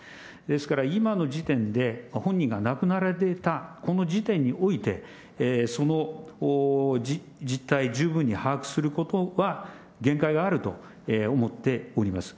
ですから、今の時点で、本人が亡くなられたこの時点において、その実態、十分に把握することは限界があると思っております。